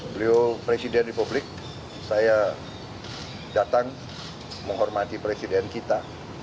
beliau presiden republik saya datang menghormati presiden kita